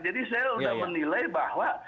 jadi saya sudah menilai bahwa